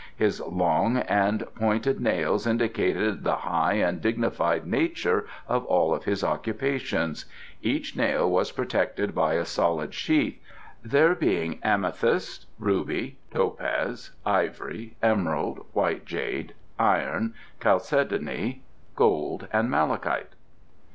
His long and pointed nails indicated the high and dignified nature of all his occupations; each nail was protected by a solid sheath, there being amethyst, ruby, topaz, ivory, emerald, white jade, iron, chalcedony, gold and malachite.